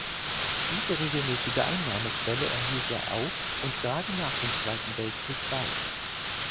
Diese regelmässige Einnahmequelle behielt er auch und gerade nach dem Zweiten Weltkrieg bei.